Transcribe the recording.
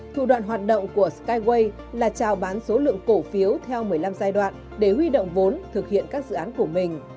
thủ đoạn hoạt động của skywe là trào bán số lượng cổ phiếu theo một mươi năm giai đoạn để huy động vốn thực hiện các dự án của mình